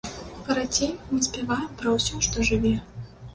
Карацей, мы спяваем пра ўсё, што жыве.